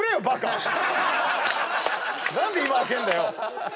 何で今開けるんだよ！